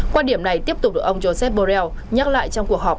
quan điểm này tiếp tục được ông joseph borrell nhắc lại trong cuộc họp